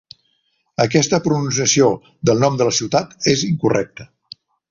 Aquesta pronunciació del nom de la ciutat és incorrecta.